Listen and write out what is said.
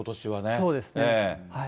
そうですね。